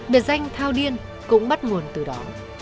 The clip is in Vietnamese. biệt danh thao điên cũng bắt nguồn từ đó